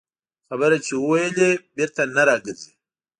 خبره چې ووېلې، بېرته نه راګرځي